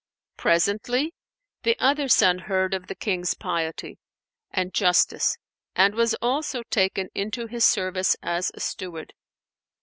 Presently the other son heard of the King's piety and justice and was also taken into his service as a steward.